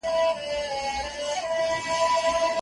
ملنګه ! د رباب ژړي د کله ﺯړه را کنې